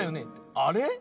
あれ？